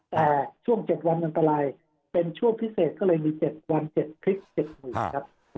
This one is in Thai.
แต่ช่วง๗วันอันตรายเป็นช่วงพิเศษก็เลยมี๗วัน๗คลิป๗๐๐๐ครับ